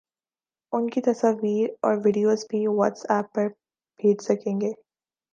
اُن کی تصاویر اور ویڈیوز بھی واٹس ایپ پر بھیج سکیں گے